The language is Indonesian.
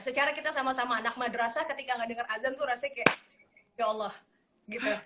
secara kita sama sama anak madrasah ketika gak denger azan tuh rasanya kayak ya allah gitu